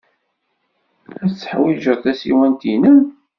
Ad teḥwijeḍ tasiwant-nnem.